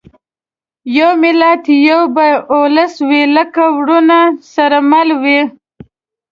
یو ملت یو به اولس وي لکه وروڼه سره مله وي